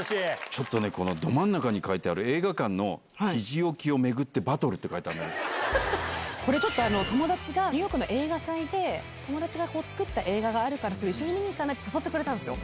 ちょっとね、このど真ん中に書いてある映画館のひじ置きを巡ってバトルって書これちょっと、友達がニューヨークの映画祭で、友達が作った映画があるから、それ一緒に見に行かないって、誘ってくれたんですよ。